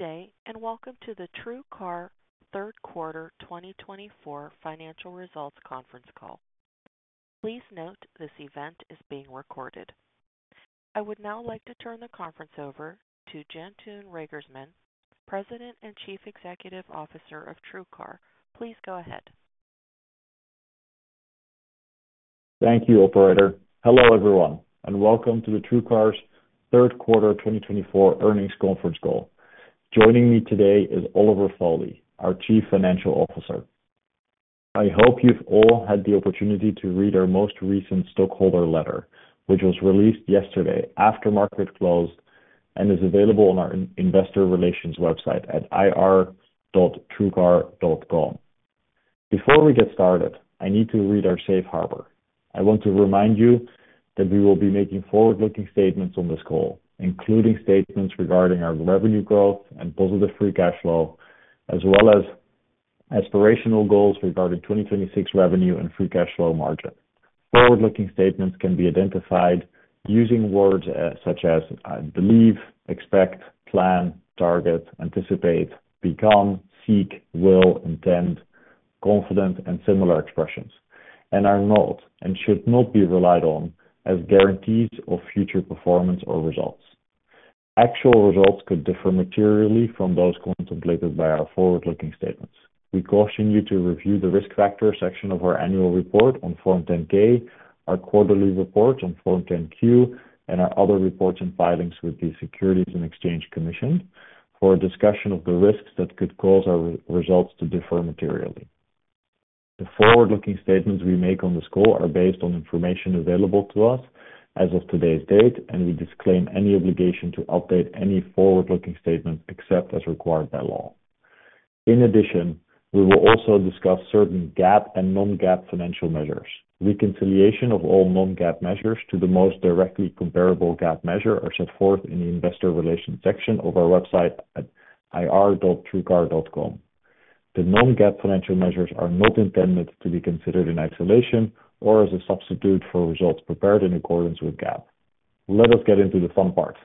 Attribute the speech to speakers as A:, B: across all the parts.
A: Good day and welcome to the TrueCar Q3 2024 Financial Results Conference Call. Please note this event is being recorded. I would now like to turn the conference over to Jantoon Reigersman, President and Chief Executive Officer of TrueCar. Please go ahead.
B: Thank you, Operator. Hello, everyone, and welcome to TrueCar's Q3 2024 Earnings Conference Call. Joining me today is Oliver Foley, our Chief Financial Officer. I hope you've all had the opportunity to read our most recent stockholder letter, which was released yesterday after market close, and is available on our investor relations website at ir.truecar.com. Before we get started, I need to read our safe harbor. I want to remind you that we will be making forward-looking statements on this call, including statements regarding our revenue growth and positive free cash flow, as well as aspirational goals regarding 2026 revenue and free cash flow margin. Forward-looking statements can be identified using words such as, I believe, expect, plan, target, anticipate, become, seek, will, intend, confident, and similar expressions, and are not and should not be relied on as guarantees of future performance or results. Actual results could differ materially from those contemplated by our forward-looking statements. We caution you to review the risk factor section of our annual report on Form 10-K, our quarterly report on Form 10-Q, and our other reports and filings with the Securities and Exchange Commission for a discussion of the risks that could cause our results to differ materially. The forward-looking statements we make on this call are based on information available to us as of today's date, and we disclaim any obligation to update any forward-looking statement except as required by law. In addition, we will also discuss certain GAAP and non-GAAP financial measures. Reconciliation of all non-GAAP measures to the most directly comparable GAAP measure is set forth in the investor relations section of our website at ir.truecar.com. The non-GAAP financial measures are not intended to be considered in isolation or as a substitute for results prepared in accordance with GAAP. Let us get into the fun part.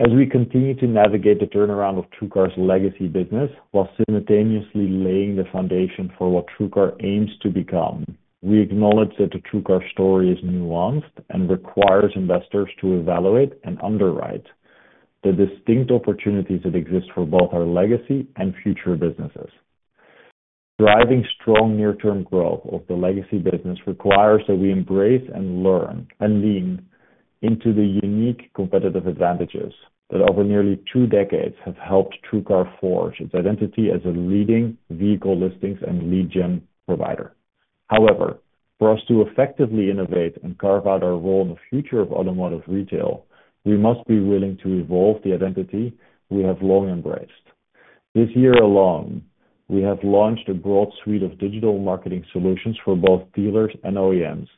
B: As we continue to navigate the turnaround of TrueCar's legacy business while simultaneously laying the foundation for what TrueCar aims to become, we acknowledge that the TrueCar story is nuanced and requires investors to evaluate and underwrite the distinct opportunities that exist for both our legacy and future businesses. Driving strong near-term growth of the legacy business requires that we embrace and lean into the unique competitive advantages that over nearly two decades have helped TrueCar forge its identity as a leading vehicle listings and lead gen provider. However, for us to effectively innovate and carve out our role in the future of automotive retail, we must be willing to evolve the identity we have long embraced. This year alone, we have launched a broad suite of digital marketing solutions for both dealers and OEMs,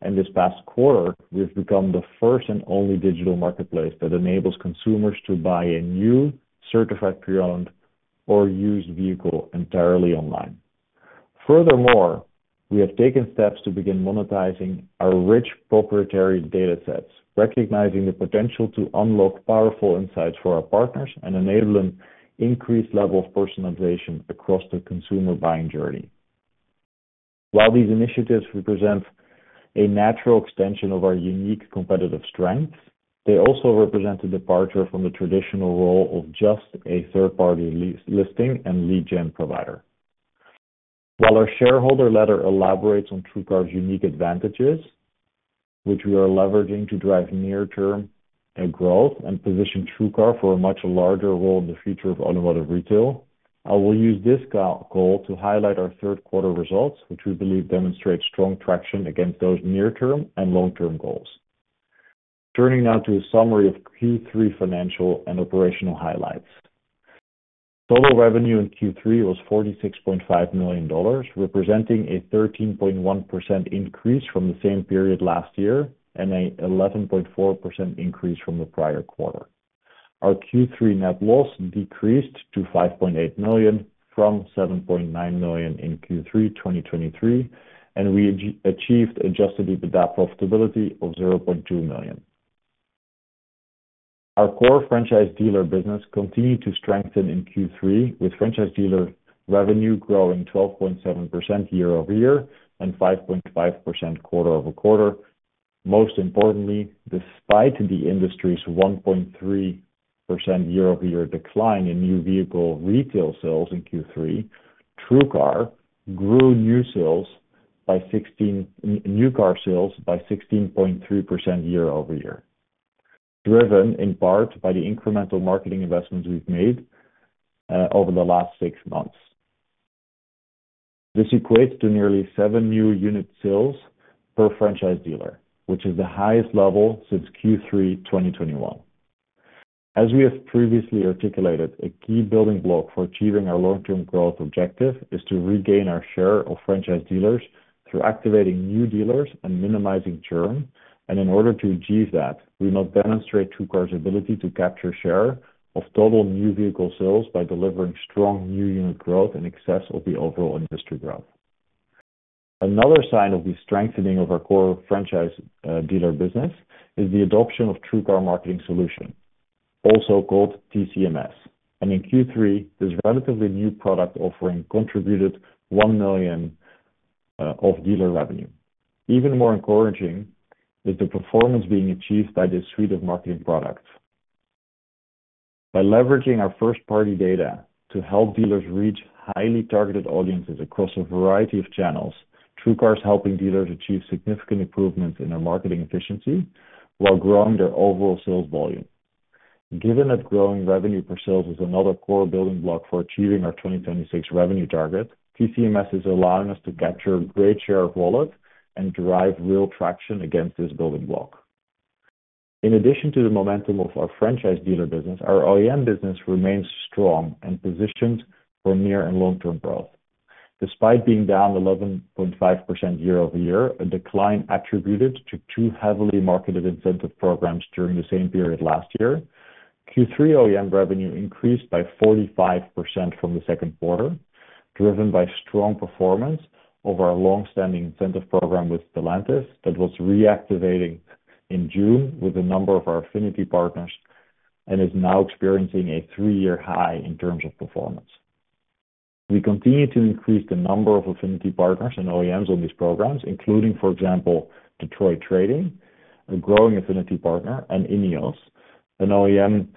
B: and this past quarter, we've become the first and only digital marketplace that enables consumers to buy a new certified pre-owned or used vehicle entirely online. Furthermore, we have taken steps to begin monetizing our rich proprietary data sets, recognizing the potential to unlock powerful insights for our partners and enabling an increased level of personalization across the consumer buying journey. While these initiatives represent a natural extension of our unique competitive strengths, they also represent a departure from the traditional role of just a third-party listing and lead gen provider. While our shareholder letter elaborates on TrueCar's unique advantages, which we are leveraging to drive near-term growth and position TrueCar for a much larger role in the future of automotive retail, I will use this call to highlight our Q3 results, which we believe demonstrate strong traction against those near-term and long-term goals. Turning now to a summary of Q3 financial and operational highlights. Total revenue in Q3 was $46.5 million, representing a 13.1% increase from the same period last year and an 11.4% increase from the prior quarter. Our Q3 net loss decreased to $5.8 million from $7.9 million in Q3 2023, and we achieved Adjusted data profitability of $0.2 million. Our core franchise dealer business continued to strengthen in Q3, with franchise dealer revenue growing 12.7% year-over-year and 5.5% quarter over quarter. Most importantly, despite the industry's 1.3% year-over-year decline in new vehicle retail sales in Q3, TrueCar grew new car sales by 16.3% year-over-year, driven in part by the incremental marketing investments we've made over the last six months. This equates to nearly seven new unit sales per franchise dealer, which is the highest level since Q3 2021. As we have previously articulated, a key building block for achieving our long-term growth objective is to regain our share of franchise dealers through activating new dealers and minimizing churn, and in order to achieve that, we must demonstrate TrueCar's ability to capture share of total new vehicle sales by delivering strong new unit growth in excess of the overall industry growth. Another sign of the strengthening of our core franchise dealer business is the adoption of TrueCar Marketing Solution, also called TCMS. In Q3, this relatively new product offering contributed $1 million of dealer revenue. Even more encouraging is the performance being achieved by this suite of marketing products. By leveraging our first-party data to help dealers reach highly targeted audiences across a variety of channels, TrueCar is helping dealers achieve significant improvements in their marketing efficiency while growing their overall sales volume. Given that growing revenue per sales is another core building block for achieving our 2026 revenue target, TCMS is allowing us to capture a great share of wallet and drive real traction against this building block. In addition to the momentum of our franchise dealer business, our OEM business remains strong and positioned for near and long-term growth. Despite being down 11.5% year-over-year, a decline attributed to two heavily marketed incentive programs during the same period last year, Q3 OEM revenue increased by 45% from the second quarter, driven by strong performance of our long-standing incentive program with Stellantis that was reactivated in June with a number of our affinity partners and is now experiencing a three-year high in terms of performance. We continue to increase the number of affinity partners and OEMs on these programs, including, for example, Detroit Trading, a growing affinity partner, and INEOS, an OEM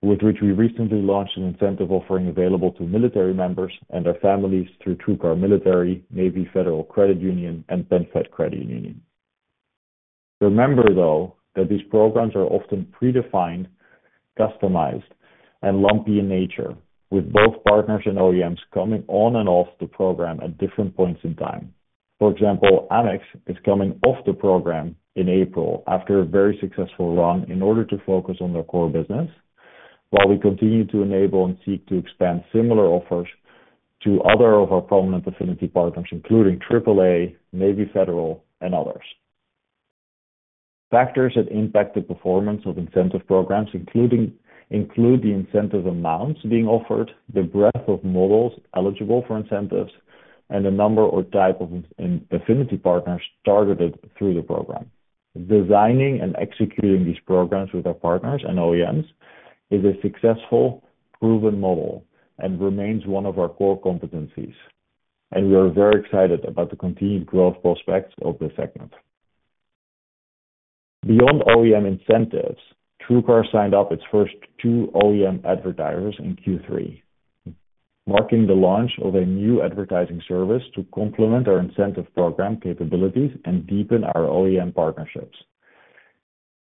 B: with which we recently launched an incentive offering available to military members and their families through TrueCar Military, Navy Federal Credit Union, and PenFed Credit Union. Remember, though, that these programs are often predefined, customized, and lumpy in nature, with both partners and OEMs coming on and off the program at different points in time. For example, Amex is coming off the program in April after a very successful run in order to focus on their core business, while we continue to enable and seek to expand similar offers to other of our prominent affinity partners, including AAA, Navy Federal, and others. Factors that impact the performance of incentive programs include the incentive amounts being offered, the breadth of models eligible for incentives, and the number or type of affinity partners targeted through the program. Designing and executing these programs with our partners and OEMs is a successful, proven model and remains one of our core competencies. We are very excited about the continued growth prospects of the segment. Beyond OEM incentives, TrueCar signed up its first two OEM advertisers in Q3, marking the launch of a new advertising service to complement our incentive program capabilities and deepen our OEM partnerships.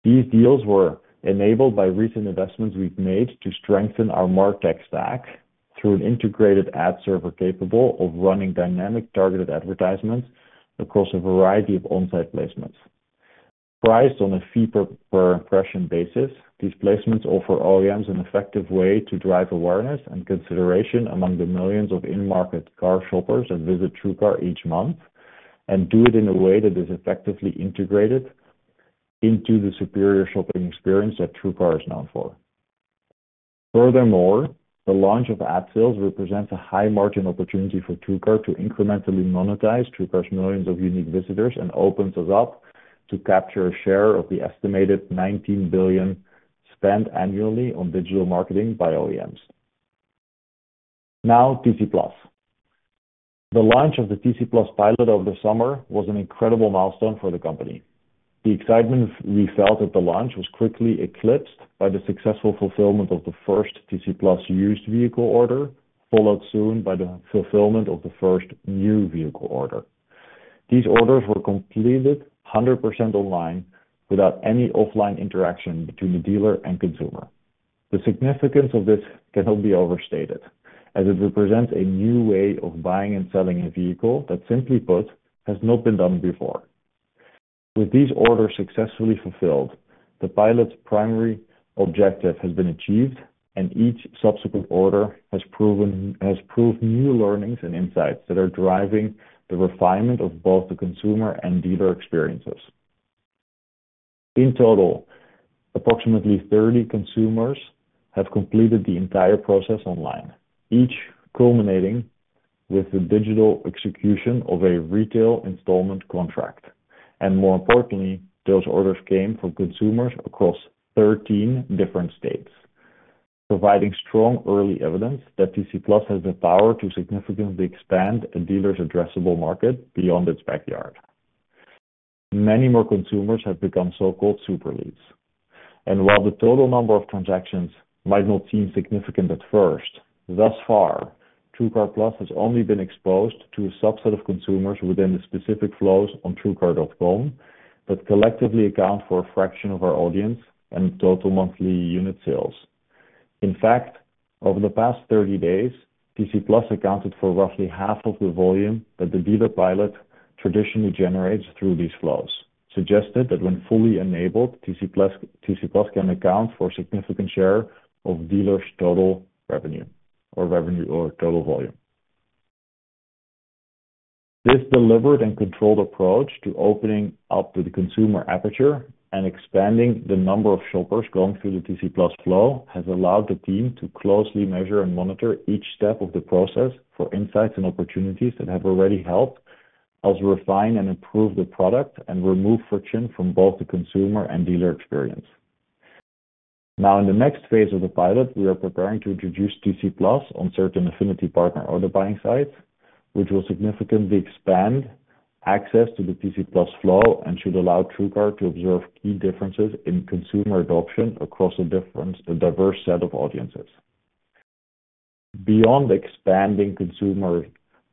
B: These deals were enabled by recent investments we've made to strengthen our MarTech stack through an integrated ad server capable of running dynamic targeted advertisements across a variety of on-site placements. Priced on a fee-per-impression basis, these placements offer OEMs an effective way to drive awareness and consideration among the millions of in-market car shoppers that visit TrueCar each month and do it in a way that is effectively integrated into the superior shopping experience that TrueCar is known for. Furthermore, the launch of ad sales represents a high-margin opportunity for TrueCar to incrementally monetize TrueCar's millions of unique visitors and opens us up to capture a share of the estimated $19 billion spent annually on digital marketing by OEMs. Now, TC Plus. The launch of the TC Plus pilot over the summer was an incredible milestone for the company. The excitement we felt at the launch was quickly eclipsed by the successful fulfillment of the first TC Plus used vehicle order, followed soon by the fulfillment of the first new vehicle order. These orders were completed 100% online without any offline interaction between the dealer and consumer. The significance of this cannot be overstated, as it represents a new way of buying and selling a vehicle that, simply put, has not been done before. With these orders successfully fulfilled, the pilot's primary objective has been achieved, and each subsequent order has proved new learnings and insights that are driving the refinement of both the consumer and dealer experiences. In total, approximately 30 consumers have completed the entire process online, each culminating with the digital execution of a retail installment contract. And more importantly, those orders came from consumers across 13 different states, providing strong early evidence that TC Plus has the power to significantly expand a dealer's addressable market beyond its backyard. Many more consumers have become so-called super leads. And while the total number of transactions might not seem significant at first, thus far, TrueCar Plus has only been exposed to a subset of consumers within the specific flows on TrueCar.com that collectively account for a fraction of our audience and total monthly unit sales. In fact, over the past 30 days, TC Plus accounted for roughly half of the volume that the dealer pilot traditionally generates through these flows, suggesting that when fully enabled, TC Plus can account for a significant share of dealers' total revenue or total volume. This deliberate and controlled approach to opening up the consumer aperture and expanding the number of shoppers going through the TC Plus flow has allowed the team to closely measure and monitor each step of the process for insights and opportunities that have already helped us refine and improve the product and remove friction from both the consumer and dealer experience. Now, in the next phase of the pilot, we are preparing to introduce TC Plus on certain affinity partner order buying sites, which will significantly expand access to the TC Plus flow and should allow TrueCar to observe key differences in consumer adoption across a diverse set of audiences. Beyond expanding consumers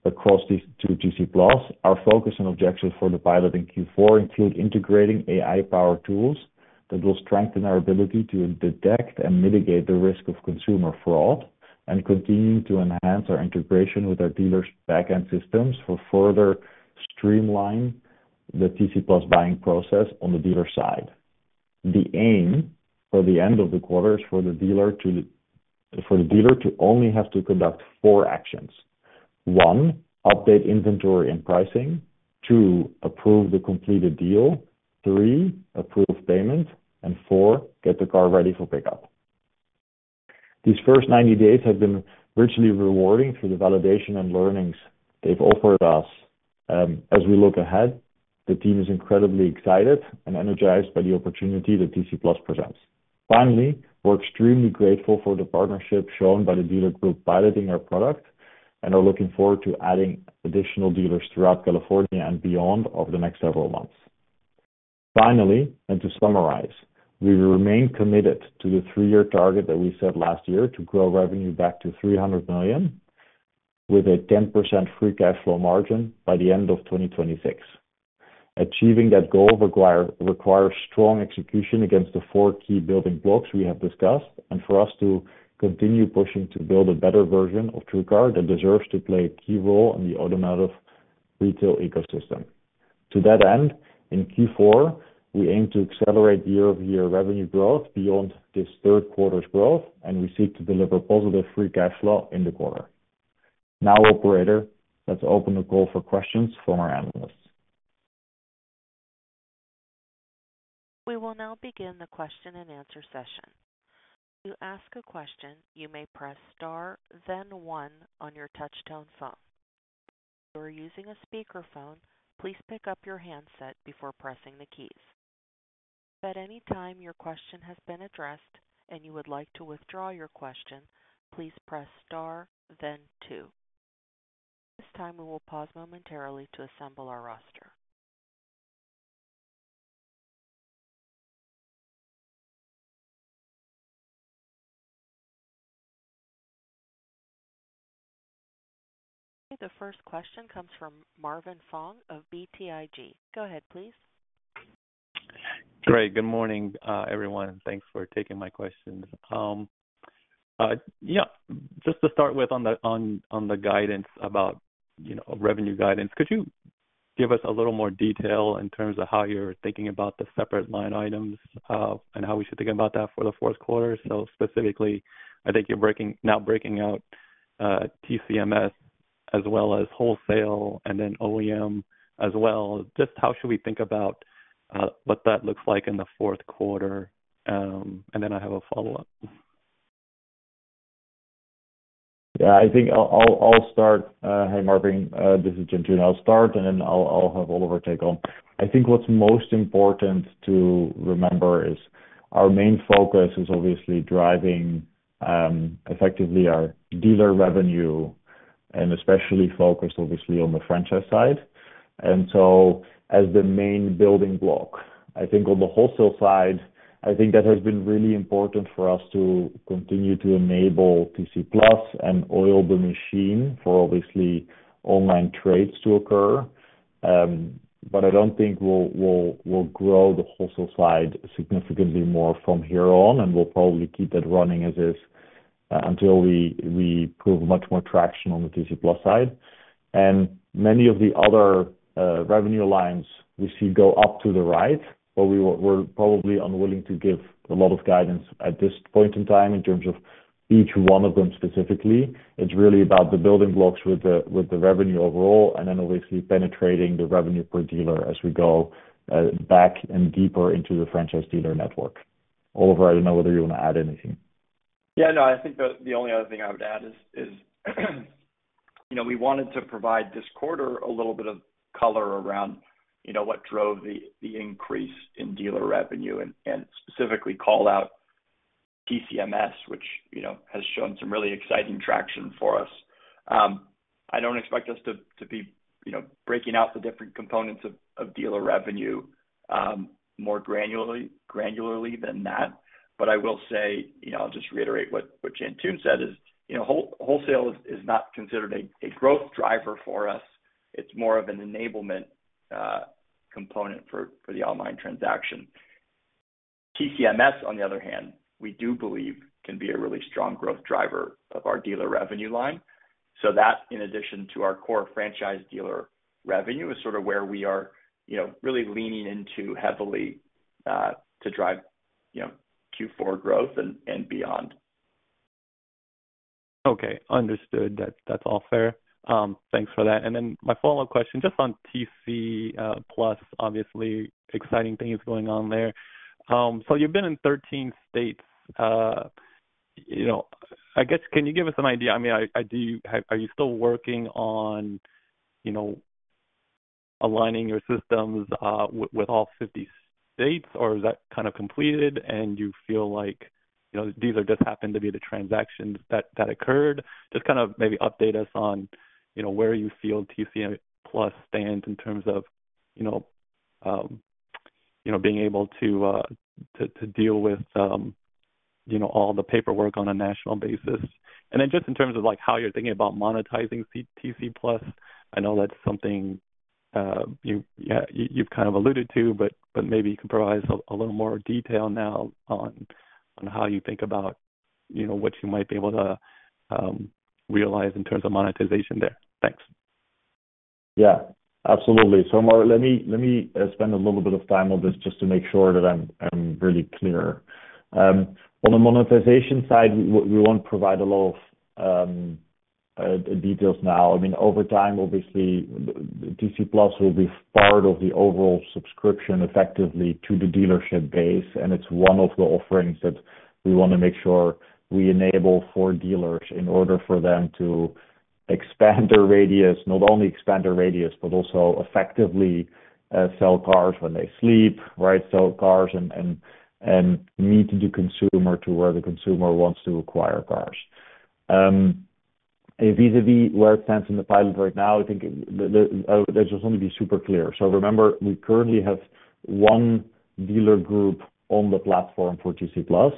B: across these two TC Plus, our focus and objectives for the pilot in Q4 include integrating AI-powered tools that will strengthen our ability to detect and mitigate the risk of consumer fraud and continuing to enhance our integration with our dealer's backend systems for further streamlining the TC Plus buying process on the dealer side. The aim for the end of the quarter is for the dealer to only have to conduct four actions. One, update inventory and pricing. Two, approve the completed deal. Three, approve payment. And four, get the car ready for pickup. These first 90 days have been virtually rewarding through the validation and learnings they've offered us. As we look ahead, the team is incredibly excited and energized by the opportunity that TC Plus presents. Finally, we're extremely grateful for the partnership shown by the dealer group piloting our product and are looking forward to adding additional dealers throughout California and beyond over the next several months. Finally, and to summarize, we remain committed to the three-year target that we set last year to grow revenue back to $300 million with a 10% free cash flow margin by the end of 2026. Achieving that goal requires strong execution against the four key building blocks we have discussed and for us to continue pushing to build a better version of TrueCar that deserves to play a key role in the automotive retail ecosystem. To that end, in Q4, we aim to accelerate year-over-year revenue growth beyond this Q3's growth, and we seek to deliver positive free cash flow in the quarter. Now, operator, let's open the call for questions from our analysts.
A: We will now begin the question-and-answer session. To ask a question, you may press star, then one on your touch-tone phone. If you are using a speakerphone, please pick up your handset before pressing the keys. If at any time your question has been addressed and you would like to withdraw your question, please press star, then two. At this time, we will pause momentarily to assemble our roster. The first question comes from Marvin Fong of BTIG. Go ahead, please.
C: Great. Good morning, everyone. Thanks for taking my questions. Yeah. Just to start with on the guidance about revenue guidance, could you give us a little more detail in terms of how you're thinking about the separate line items and how we should think about that for the Q4? So specifically, I think you're now breaking out TCMS as well as wholesale and then OEM as well. Just how should we think about what that looks like in the Q4? And then I have a follow-up.
B: Yeah. I think I'll start. Hey, Marvin, this is Jantoon. I'll start, and then I'll have Oliver take on. I think what's most important to remember is our main focus is obviously driving effectively our dealer revenue and especially focused, obviously, on the franchise side, and so as the main building block, I think on the wholesale side, I think that has been really important for us to continue to enable TC Plus and oil the machine for obviously online trades to occur. But I don't think we'll grow the wholesale side significantly more from here on, and we'll probably keep it running as is until we prove much more traction on the TC Plus side. And many of the other revenue lines we see go up to the right, but we're probably unwilling to give a lot of guidance at this point in time in terms of each one of them specifically. It's really about the building blocks with the revenue overall and then obviously penetrating the revenue per dealer as we go back and deeper into the franchise dealer network. Oliver, I don't know whether you want to add anything.
D: Yeah. No, I think the only other thing I would add is we wanted to provide this quarter a little bit of color around what drove the increase in dealer revenue and specifically call out TCMS, which has shown some really exciting traction for us. I don't expect us to be breaking out the different components of dealer revenue more granularly than that. But I will say, I'll just reiterate what Jantoon said is wholesale is not considered a growth driver for us. It's more of an enablement component for the online transaction. TCMS, on the other hand, we do believe can be a really strong growth driver of our dealer revenue line. So that, in addition to our core franchise dealer revenue, is sort of where we are really leaning into heavily to drive Q4 growth and beyond.
C: Okay. Understood. That's all fair. Thanks for that. And then my follow-up question just on TC Plus, obviously, exciting things going on there. So you've been in 13 states. I guess, can you give us an idea? I mean, are you still working on aligning your systems with all 50 states, or is that kind of completed and you feel like these are just happened to be the transactions that occurred? Just kind of maybe update us on where you feel TC Plus stands in terms of being able to deal with all the paperwork on a national basis. And then just in terms of how you're thinking about monetizing TC Plus, I know that's something you've kind of alluded to, but maybe you can provide us a little more detail now on how you think about what you might be able to realize in terms of monetization there. Thanks.
B: Yeah. Absolutely. So, Marvin, let me spend a little bit of time on this just to make sure that I'm really clear. On the monetization side, we won't provide a lot of details now. I mean, over time, obviously, TC Plus will be part of the overall subscription effectively to the dealership base, and it's one of the offerings that we want to make sure we enable for dealers in order for them to expand their radius, not only expand their radius, but also effectively sell cars when they sleep, right? Sell cars and meet the consumer to where the consumer wants to acquire cars. Vis-à-vis where it stands in the pilot right now, I think that should only be super clear. So remember, we currently have one dealer group on the platform for TC Plus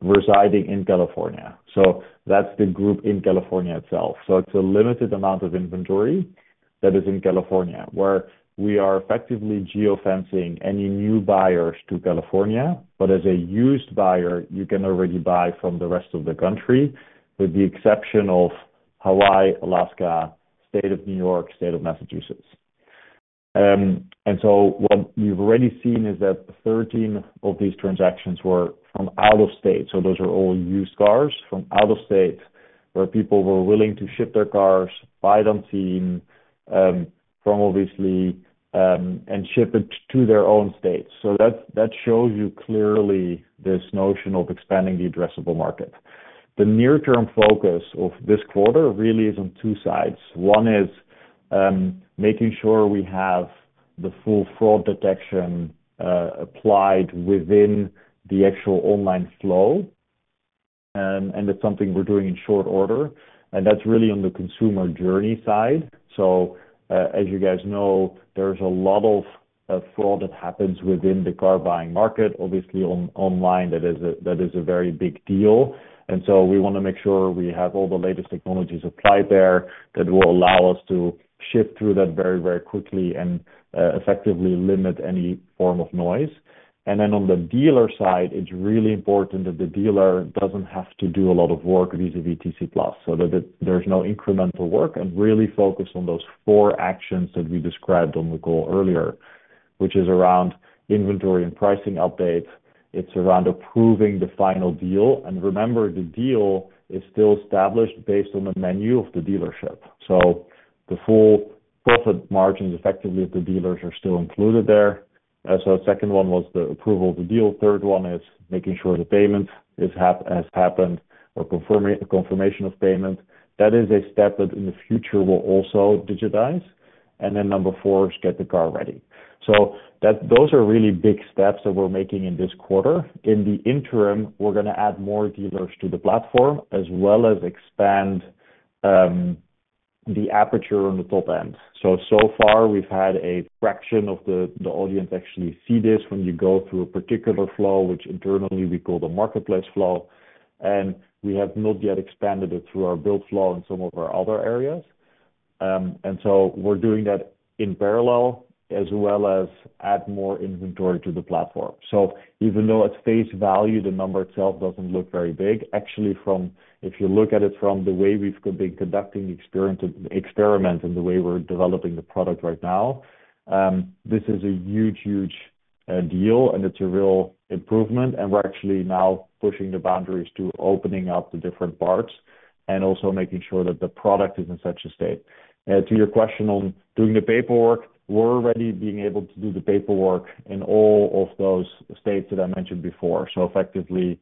B: residing in California. So that's the group in California itself. So it's a limited amount of inventory that is in California where we are effectively geofencing any new buyers to California. But as a used buyer, you can already buy from the rest of the country with the exception of Hawaii, Alaska, State of New York, State of Massachusetts. And so what we've already seen is that 13 of these transactions were from out of state. So those are all used cars from out of state where people were willing to ship their cars, buy them from obviously, and ship it to their own state. So that shows you clearly this notion of expanding the addressable market. The near-term focus of this quarter really is on two sides. One is making sure we have the full fraud detection applied within the actual online flow, and that's something we're doing in short order. And that's really on the consumer journey side. So as you guys know, there's a lot of fraud that happens within the car buying market, obviously online that is a very big deal. And so we want to make sure we have all the latest technologies applied there that will allow us to sift through that very, very quickly and effectively limit any form of noise. And then on the dealer side, it's really important that the dealer doesn't have to do a lot of work vis-à-vis TC Plus so that there's no incremental work and really focus on those four actions that we described on the call earlier, which is around inventory and pricing updates. It's around approving the final deal. And remember, the deal is still established based on the menu of the dealership. So the full profit margins effectively of the dealers are still included there. The second one was the approval of the deal. Third one is making sure the payment has happened or confirmation of payment. That is a step that in the future will also digitize. Number four is get the car ready. Those are really big steps that we're making in this quarter. In the interim, we're going to add more dealers to the platform as well as expand the aperture on the top end. So far, we've had a fraction of the audience actually see this when you go through a particular flow, which internally we call the marketplace flow. We have not yet expanded it through our build flow in some of our other areas. We're doing that in parallel as well as add more inventory to the platform. So even though at face value, the number itself doesn't look very big, actually, if you look at it from the way we've been conducting the experiment and the way we're developing the product right now, this is a huge, huge deal, and it's a real improvement. And we're actually now pushing the boundaries to opening up the different parts and also making sure that the product is in such a state. To your question on doing the paperwork, we're already being able to do the paperwork in all of those states that I mentioned before. So effectively,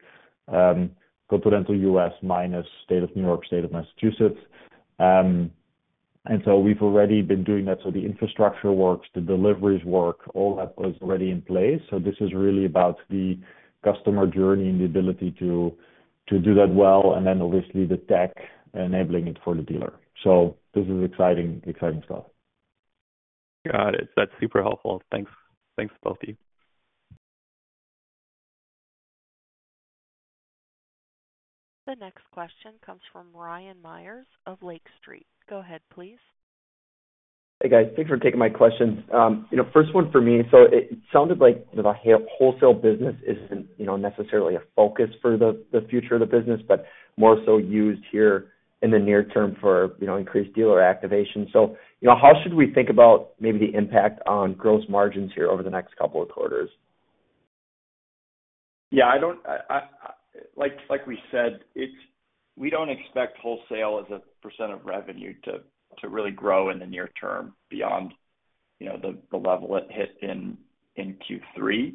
B: continental U.S. minus State of New York, State of Massachusetts. And so we've already been doing that. So the infrastructure works, the deliveries work, all that was already in place. So this is really about the customer journey and the ability to do that well. And then obviously, the tech enabling it for the dealer. So this is exciting stuff.
C: Got it. That's super helpful. Thanks. Thanks to both of you.
A: The next question comes from Ryan Meyers of Lake Street. Go ahead, please.
E: Hey, guys. Thanks for taking my questions. First one for me, so it sounded like the wholesale business isn't necessarily a focus for the future of the business, but more so used here in the near term for increased dealer activation. So how should we think about maybe the impact on gross margins here over the next couple of quarters? Yeah. Like we said, we don't expect wholesale as a % of revenue to really grow in the near term beyond the level it hit in Q3.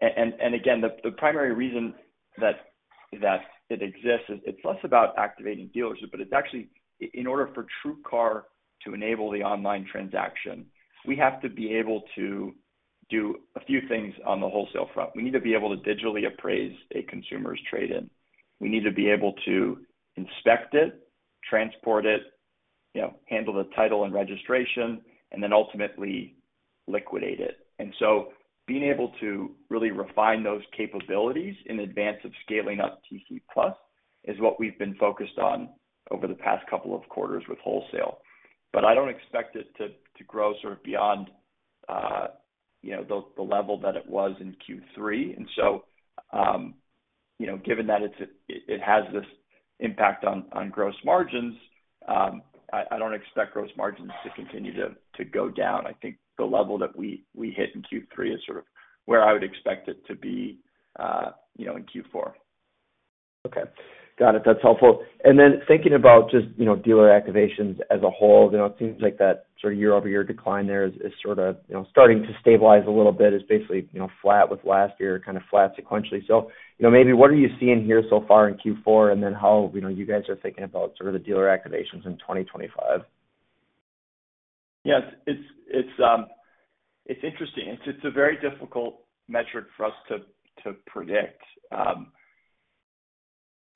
E: And again, the primary reason that it exists is it's less about activating dealership, but it's actually in order for TrueCar to enable the online transaction, we have to be able to do a few things on the wholesale front. We need to be able to digitally appraise a consumer's trade-in. We need to be able to inspect it, transport it, handle the title and registration, and then ultimately liquidate it. And so being able to really refine those capabilities in advance of scaling up TC Plus is what we've been focused on over the past couple of quarters with wholesale. But I don't expect it to grow sort of beyond the level that it was in Q3. And so given that it has this impact on gross margins, I don't expect gross margins to continue to go down. I think the level that we hit in Q3 is sort of where I would expect it to be in Q4. Okay. Got it. That's helpful. And then thinking about just dealer activations as a whole, it seems like that sort of year-over-year decline there is sort of starting to stabilize a little bit. It's basically flat with last year, kind of flat sequentially. So maybe what are you seeing here so far in Q4, and then how you guys are thinking about sort of the dealer activations in 2025?
D: Yeah. It's interesting. It's a very difficult metric for us to predict,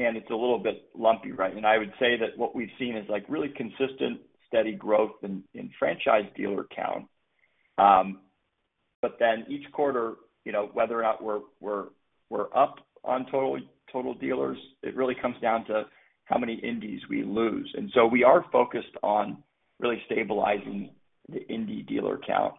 D: and it's a little bit lumpy, right, and I would say that what we've seen is really consistent, steady growth in franchise dealer count, but then each quarter, whether or not we're up on total dealers, it really comes down to how many indies we lose, and so we are focused on really stabilizing the indie dealer count,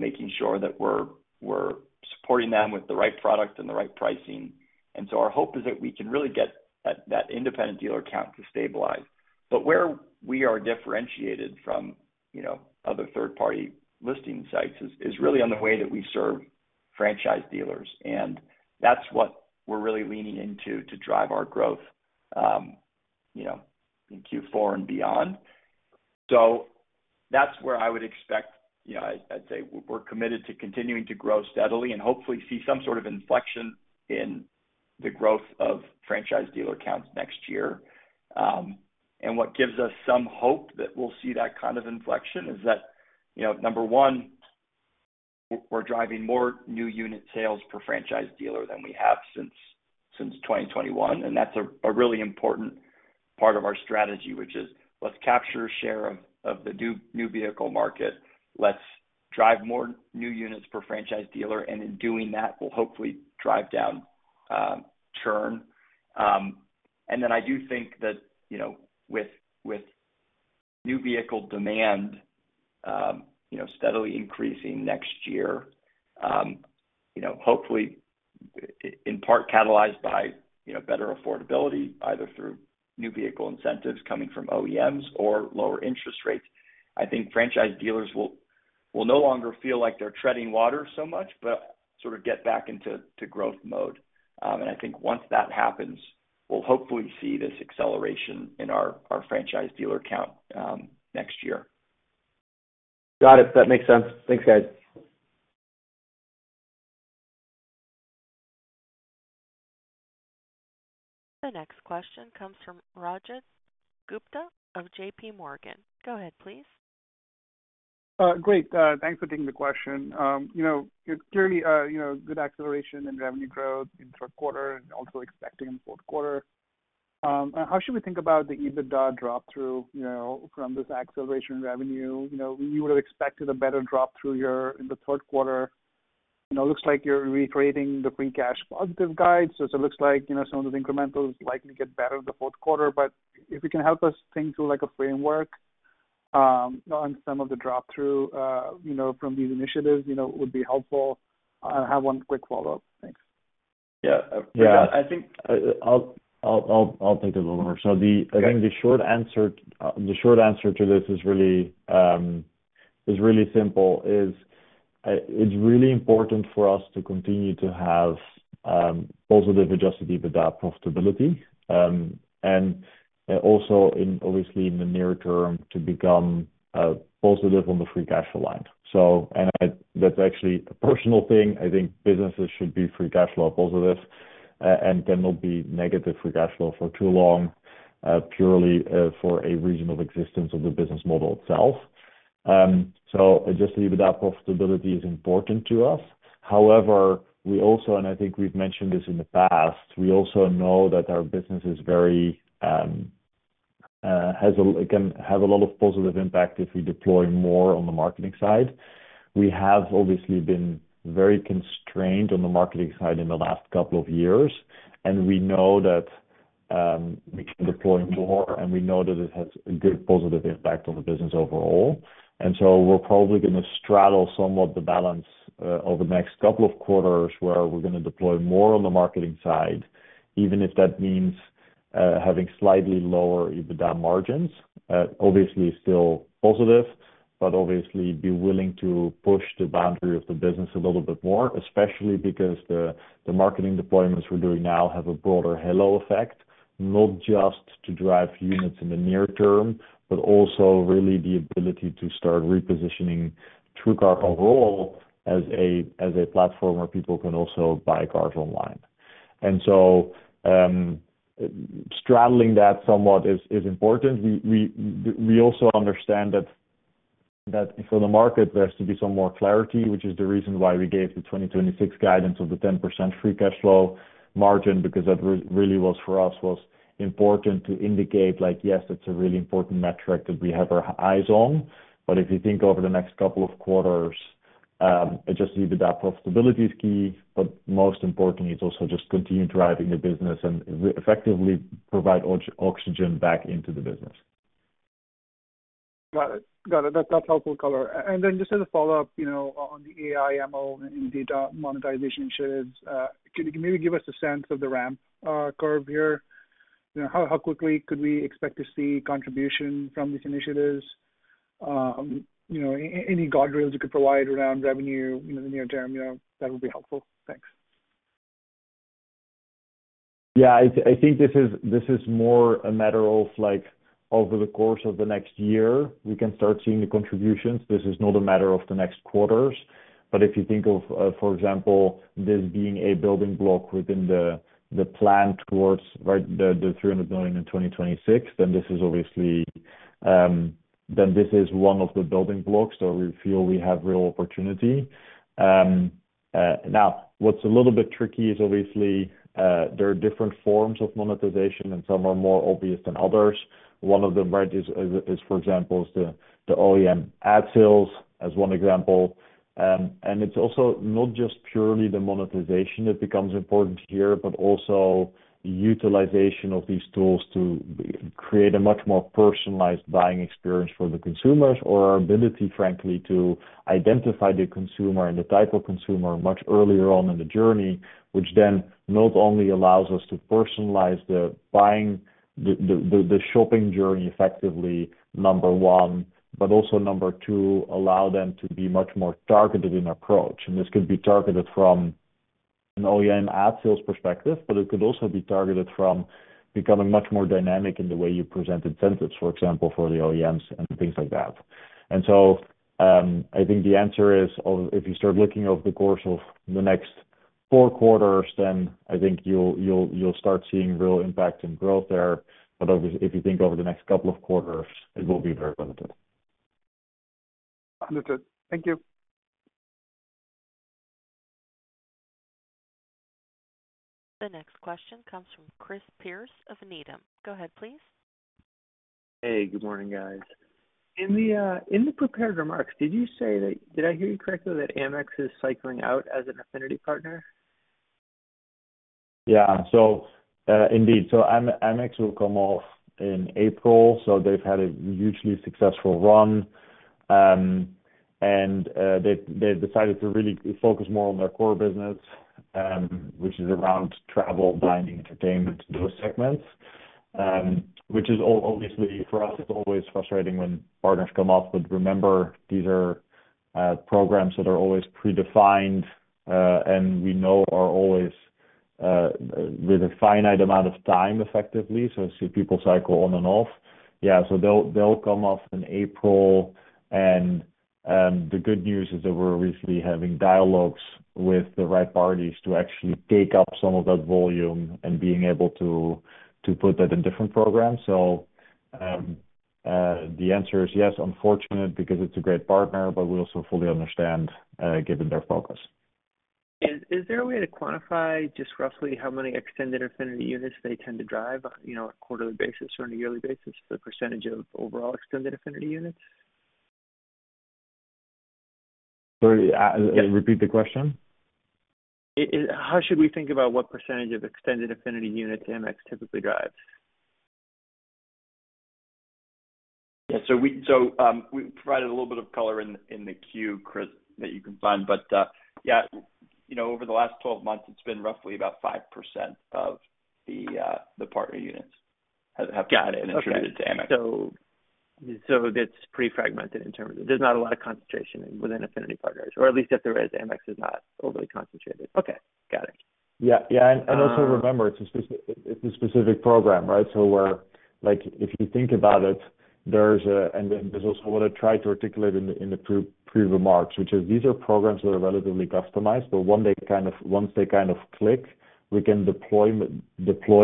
D: making sure that we're supporting them with the right product and the right pricing, and so our hope is that we can really get that independent dealer count to stabilize, but where we are differentiated from other third-party listing sites is really on the way that we serve franchise dealers, and that's what we're really leaning into to drive our growth in Q4 and beyond. So that's where I would expect. I'd say we're committed to continuing to grow steadily and hopefully see some sort of inflection in the growth of franchise dealer counts next year. And what gives us some hope that we'll see that kind of inflection is that, number one, we're driving more new unit sales per franchise dealer than we have since 2021. And that's a really important part of our strategy, which is let's capture a share of the new vehicle market. Let's drive more new units per franchise dealer. And in doing that, we'll hopefully drive down churn. And then I do think that with new vehicle demand steadily increasing next year, hopefully in part catalyzed by better affordability, either through new vehicle incentives coming from OEMs or lower interest rates, I think franchise dealers will no longer feel like they're treading water so much, but sort of get back into growth mode. And I think once that happens, we'll hopefully see this acceleration in our franchise dealer count next year.
E: Got it. That makes sense. Thanks, guys.
A: The next question comes from Rajat Gupta of JPMorgan. Go ahead, please.
F: Great. Thanks for taking the question. Clearly, good acceleration and revenue growth in the Q3, and also expecting in the Q4. How should we think about the EBITDA drop-through from this acceleration in revenue? We would have expected a better drop-through here in the Q3. It looks like you're reiterating the free cash positive guide. So it looks like some of the incrementals likely get better in the Q4. But if you can help us think through a framework on some of the drop-through from these initiatives, it would be helpful. I have one quick follow-up. Thanks.
B: Yeah. I think I'll take it over. So I think the short answer to this is really simple. It's really important for us to continue to have positive Adjusted data profitability. And also obviously in the near term to become positive on the free cash line. And that's actually a personal thing. I think businesses should be free cash flow positive and cannot be negative free cash flow for too long purely for a reason of existence of the business model itself. So Adjusted data profitability is important to us. However, we also, and I think we've mentioned this in the past, we also know that our business has a lot of positive impact if we deploy more on the marketing side. We have obviously been very constrained on the marketing side in the last couple of years, and we know that we can deploy more, and we know that it has a good positive impact on the business overall. And so we're probably going to straddle somewhat the balance over the next couple of quarters where we're going to deploy more on the marketing side, even if that means having slightly lower data margins. Obviously, still positive, but obviously be willing to push the boundary of the business a little bit more, especially because the marketing deployments we're doing now have a broader halo effect, not just to drive units in the near term, but also really the ability to start repositioning TrueCar overall as a platform where people can also buy cars online. And so straddling that somewhat is important. We also understand that for the market, there has to be some more clarity, which is the reason why we gave the 2026 guidance of the 10% Free Cash Flow margin, because that really was for us important to indicate like, yes, that's a really important metric that we have our eyes on. But if you think over the next couple of quarters, Adjusted data profitability is key, but most importantly, it's also just continuing to drive the business and effectively provide oxygen back into the business.
E: Got it. Got it. That's helpful, Carter. And then just as a follow-up on the OEM and data monetization initiatives, can you maybe give us a sense of the ramp curve here? How quickly could we expect to see contribution from these initiatives? Any guardrails you could provide around revenue in the near term, that would be helpful. Thanks.
B: Yeah. I think this is more a matter of over the course of the next year, we can start seeing the contributions. This is not a matter of the next quarters. But if you think of, for example, this being a building block within the plan towards the $300 million in 2026, then this is obviously one of the building blocks. So we feel we have real opportunity. Now, what's a little bit tricky is obviously there are different forms of monetization, and some are more obvious than others. One of them is, for example, the OEM ad sales as one example. And it's also not just purely the monetization that becomes important here, but also utilization of these tools to create a much more personalized buying experience for the consumers or our ability, frankly, to identify the consumer and the type of consumer much earlier on in the journey, which then not only allows us to personalize the shopping journey effectively, number one, but also number two, allow them to be much more targeted in approach. And this could be targeted from an OEM ad sales perspective, but it could also be targeted from becoming much more dynamic in the way you present incentives, for example, for the OEMs and things like that. And so I think the answer is, if you start looking over the course of the next four quarters, then I think you'll start seeing real impact and growth there. But obviously, if you think over the next couple of quarters, it will be very limited.
E: Understood. Thank you.
A: The next question comes from Chris Pierce of Needham. Go ahead, please.
G: Hey, good morning, guys. In the prepared remarks, did you say that I hear you correctly that Amex is cycling out as an affinity partner?
B: Yeah. So indeed, so Amex will come off in April. So they've had a hugely successful run. And they've decided to really focus more on their core business, which is around travel, dining, entertainment, those segments. Which is obviously for us, it's always frustrating when partners come off, but remember, these are programs that are always predefined and we know are always with a finite amount of time effectively. So we see people cycle on and off. Yeah. So they'll come off in April. And the good news is that we're obviously having dialogues with the right parties to actually take up some of that volume and being able to put that in different programs. So the answer is yes, unfortunate, because it's a great partner, but we also fully understand given their focus.
G: Is there a way to quantify just roughly how many extended affinity units they tend to drive on a quarterly basis or on a yearly basis for the percentage of overall extended affinity units?
B: Sorry. Repeat the question.
G: How should we think about what percentage of extended affinity units Amex typically drives?
D: Yeah. So we provided a little bit of color in the queue, Chris, that you can find. But yeah, over the last 12 months, it's been roughly about 5% of the partner units have gotten it and attributed to Amex. So that's pretty fragmented in terms of there's not a lot of concentration within affinity partners, or at least if there is, Amex is not overly concentrated.
G: Okay. Got it.
B: Yeah. Yeah. And also remember, it's a specific program, right? So if you think about it, there's, and this is what I tried to articulate in the prepared remarks, which is these are programs that are relatively customized. But once they kind of click, we can deploy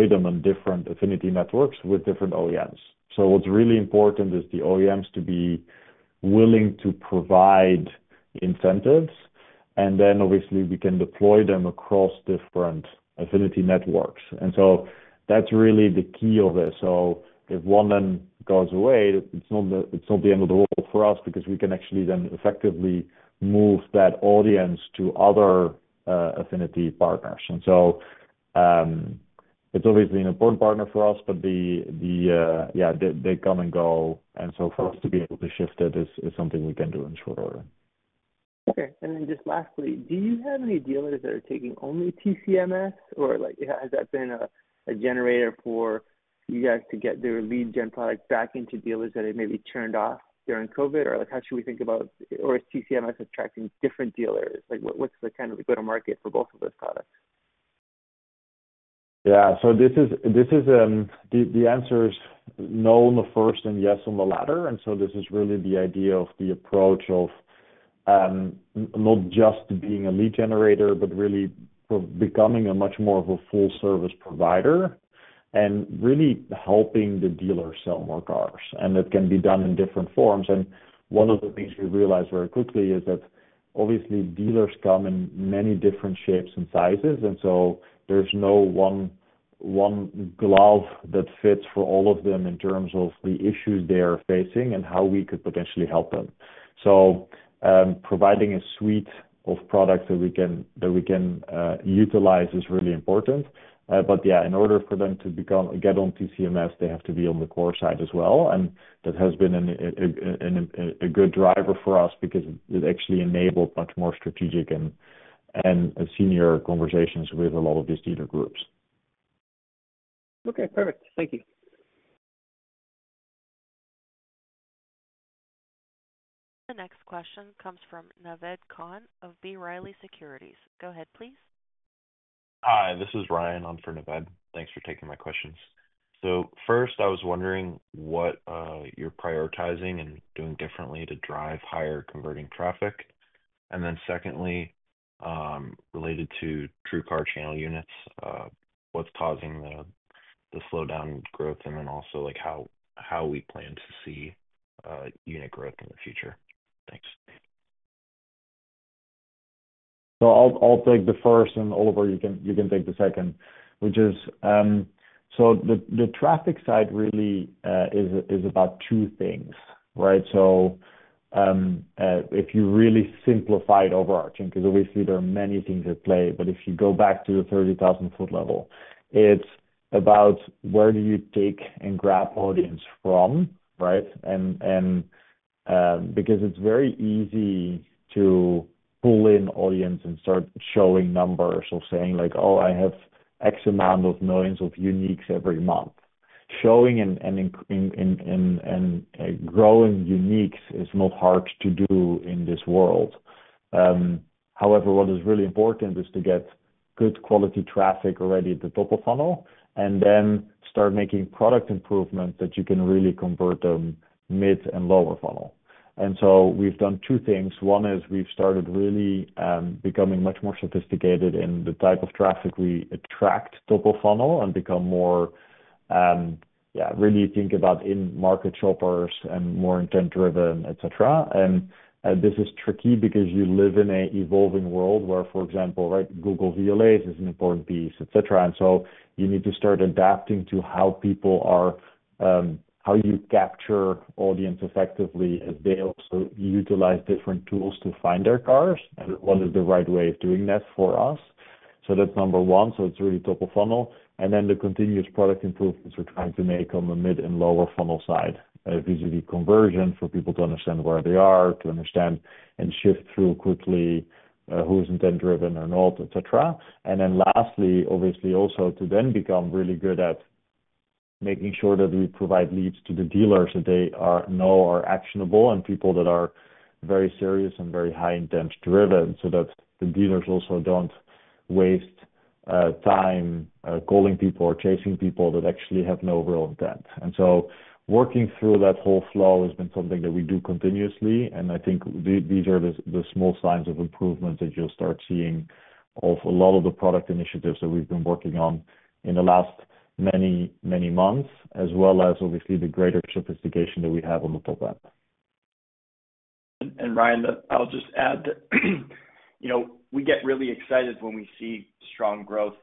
B: them on different affinity networks with different OEMs. So what's really important is the OEMs to be willing to provide incentives. And then obviously, we can deploy them across different affinity networks. And so that's really the key of this. So if one of them goes away, it's not the end of the world for us because we can actually then effectively move that audience to other affinity partners. And so it's obviously an important partner for us, but yeah, they come and go. And so for us to be able to shift it is something we can do in short order.
G: Okay. And then just lastly, do you have any dealers that are taking only TCMS, or has that been a generator for you guys to get their lead gen product back into dealers that they maybe turned off during COVID? Or how should we think about, or is TCMS attracting different dealers? What's the kind of go-to-market for both of those products?
B: Yeah. So the answer is no on the first and yes on the latter. And so this is really the idea of the approach of not just being a lead generator, but really becoming much more of a full-service provider and really helping the dealer sell more cars. And that can be done in different forms. And one of the things we realized very quickly is that obviously dealers come in many different shapes and sizes. And so there's no one glove that fits for all of them in terms of the issues they are facing and how we could potentially help them. So providing a suite of products that we can utilize is really important. But yeah, in order for them to get on TCMS, they have to be on the core side as well. That has been a good driver for us because it actually enabled much more strategic and senior conversations with a lot of these dealer groups.
G: Okay. Perfect. Thank you.
A: The next question comes from Naved Khan of B. Riley Securities. Go ahead, please.
H: Hi, this is Ryan. I'm from Naved. Thanks for taking my questions. So first, I was wondering what you're prioritizing and doing differently to drive higher converting traffic. And then secondly, related to TrueCar channel units, what's causing the slowdown growth, and then also how we plan to see unit growth in the future. Thanks.
B: So, I'll take the first, and Oliver, you can take the second, which is so the traffic side really is about two things, right? So, if you really simplify it overarching, because obviously there are many things at play, but if you go back to the 30,000-foot level, it's about where do you take and grab audience from, right? And because it's very easy to pull in audience and start showing numbers or saying like, "Oh, I have X amount of millions of uniques every month." Showing and growing uniques is not hard to do in this world. However, what is really important is to get good quality traffic already at the top of funnel and then start making product improvements that you can really convert them mid and lower funnel. And so we've done two things. One is we've started really becoming much more sophisticated in the type of traffic we attract top of funnel and become more, yeah, really think about in-market shoppers and more intent-driven, etc. And this is tricky because you live in an evolving world where, for example, Google VLAs is an important piece, etc. And so you need to start adapting to how people are, how you capture audience effectively as they also utilize different tools to find their cars. And what is the right way of doing that for us? So that's number one. So it's really top of funnel. And then the continuous product improvements we're trying to make on the mid and lower funnel side, vis-à-vis conversion for people to understand where they are, to understand and shift through quickly who is intent-driven or not, etc. And then lastly, obviously also to then become really good at making sure that we provide leads to the dealers that they know are actionable and people that are very serious and very high-intent-driven so that the dealers also don't waste time calling people or chasing people that actually have no real intent. And so working through that whole flow has been something that we do continuously. And I think these are the small signs of improvement that you'll start seeing of a lot of the product initiatives that we've been working on in the last many, many months, as well as obviously the greater sophistication that we have on the top app.
D: And Ryan, I'll just add that we get really excited when we see strong growth,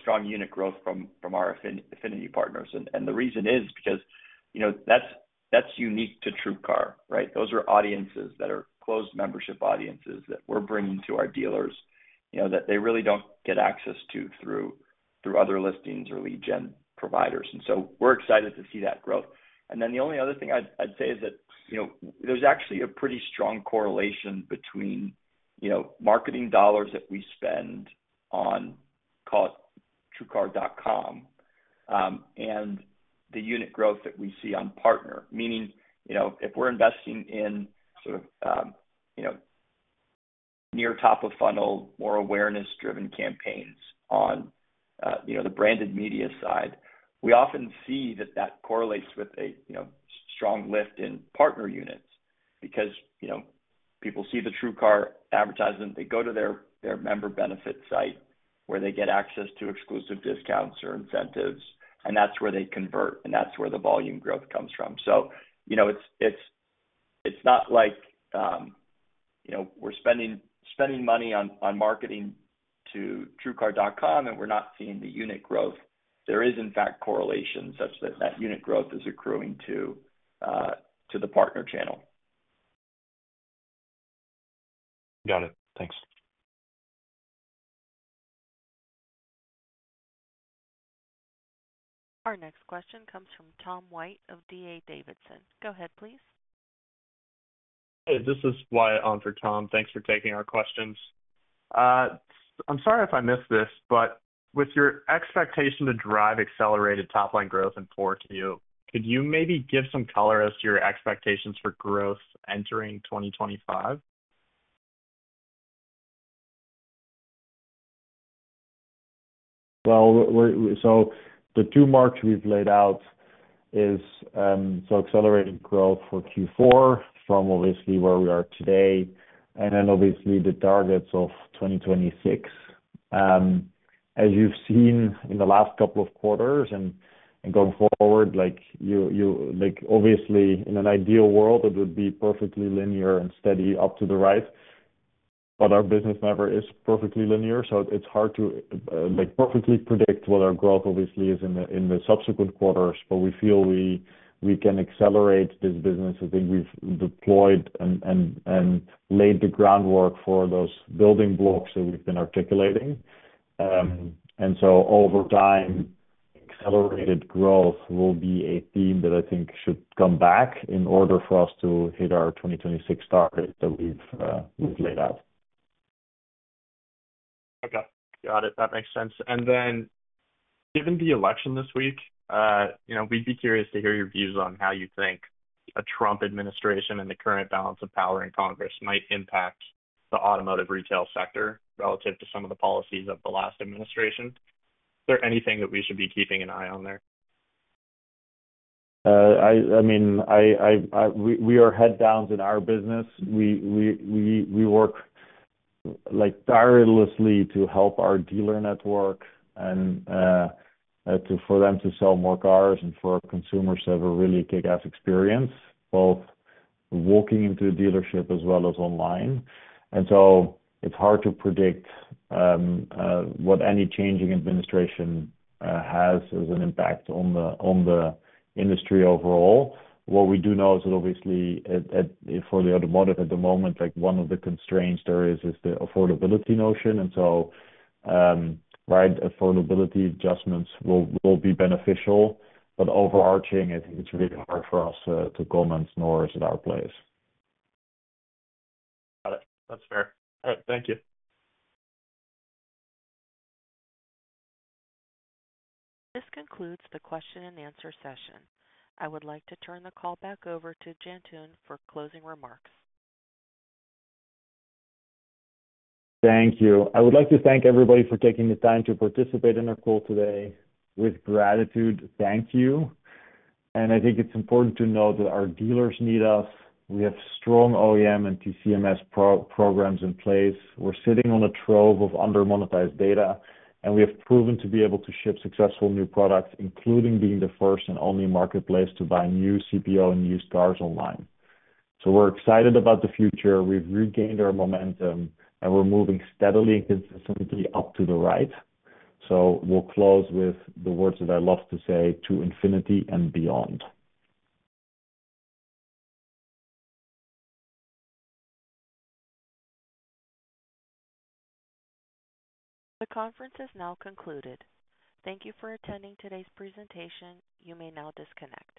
D: strong unit growth from our affinity partners. And the reason is because that's unique to TrueCar, right? Those are audiences that are closed membership audiences that we're bringing to our dealers that they really don't get access to through other listings or lead gen providers. And so we're excited to see that growth. And then the only other thing I'd say is that there's actually a pretty strong correlation between marketing dollars that we spend on TrueCar.com and the unit growth that we see on partner, meaning if we're investing in sort of near top of funnel, more awareness-driven campaigns on the branded media side, we often see that that correlates with a strong lift in partner units because people see the TrueCar advertisement, they go to their member benefit site where they get access to exclusive discounts or incentives, and that's where they convert, and that's where the volume growth comes from. So it's not like we're spending money on marketing to TrueCar.com and we're not seeing the unit growth. There is, in fact, correlation such that that unit growth is accruing to the partner channel.
H: Got it. Thanks.
A: Our next question comes from Tom White of D.A. Davidson. Go ahead, please.
I: Hey, this is Wyatt on for Tom. Thanks for taking our questions. I'm sorry if I missed this, but with your expectation to drive accelerated top-line growth in 4Q, could you maybe give some color as to your expectations for growth entering 2025?
B: So the two marks we've laid out is accelerated growth for Q4 from obviously where we are today, and then obviously the targets of 2026. As you've seen in the last couple of quarters and going forward, obviously in an ideal world, it would be perfectly linear and steady up to the right. But our business never is perfectly linear, so it's hard to perfectly predict what our growth obviously is in the subsequent quarters. But we feel we can accelerate this business. I think we've deployed and laid the groundwork for those building blocks that we've been articulating. And so over time, accelerated growth will be a theme that I think should come back in order for us to hit our 2026 target that we've laid out.
I: Okay. Got it. That makes sense. And then given the election this week, we'd be curious to hear your views on how you think a Trump administration and the current balance of power in Congress might impact the automotive retail sector relative to some of the policies of the last administration. Is there anything that we should be keeping an eye on there?
B: I mean, we are heads down in our business. We work tirelessly to help our dealer network and for them to sell more cars and for consumers to have a really kick-ass experience, both walking into a dealership as well as online. And so it's hard to predict what any changing administration has as an impact on the industry overall. What we do know is that obviously for the automotive at the moment, one of the constraints there is the affordability notion. And so, right, affordability adjustments will be beneficial. But overarching, I think it's really hard for us to comment nor is it our place.
H: Got it. That's fair. All right. Thank you.
A: This concludes the question and answer session. I would like to turn the call back over to Jantoon for closing remarks.
B: Thank you. I would like to thank everybody for taking the time to participate in our call today. With gratitude, thank you. And I think it's important to note that our dealers need us. We have strong OEM and TCMS programs in place. We're sitting on a trove of under-monetized data, and we have proven to be able to ship successful new products, including being the first and only marketplace to buy new CPO and used cars online. So we're excited about the future. We've regained our momentum, and we're moving steadily and consistently up to the right. So we'll close with the words that I love to say, "To infinity and beyond.
A: The conference is now concluded. Thank you for attending today's presentation. You may now disconnect.